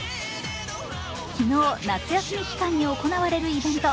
昨日、夏休み期間に行われるイベント